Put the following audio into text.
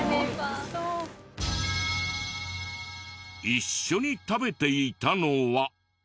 一緒に食べていたのは。